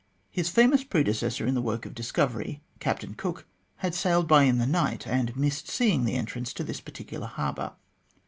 His famous predecessor in the work of discovery, Captain Cook, had sailed by in the night, and missed seeing the entrance to this particular harbour.